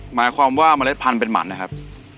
หมายความว่าเมล็ดพันธุ์เป็นหมันนะครับ